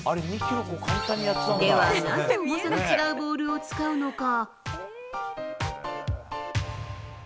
ではなぜ重さの違うボールを使うのか？